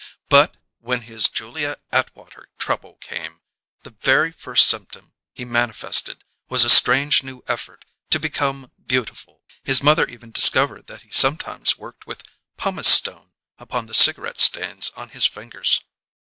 But, when his Julia Atwater trouble came, the very first symptom he manifested was a strange new effort to become beautiful; his mother even discovered that he sometimes worked with pumice stone upon the cigarette stains on his fingers.